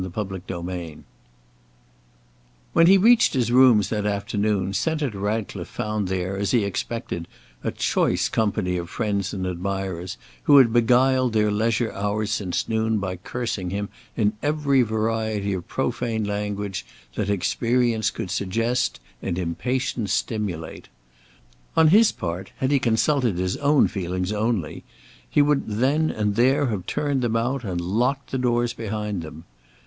Chapter VII WHEN he reached his rooms that afternoon, Senator Ratcliffe found there, as he expected, a choice company of friends and admirers, who had beguiled their leisure hours since noon by cursing him in every variety of profane language that experience could suggest and impatience stimulate. On his part, had he consulted his own feelings only, he would then and there have turned them out, and locked the doors behind them.